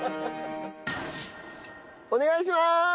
お願いします！